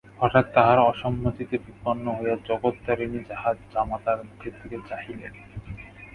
হঠাৎ তাহার অসম্মতিতে বিপন্ন হইয়া জগত্তারিণী তাঁহার জামাতার মুখের দিকে চাহিলেন।